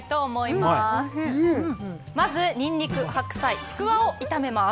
まず、ニンニク白菜、ちくわを炒めます。